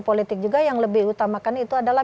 politik juga yang lebih utamakan itu adalah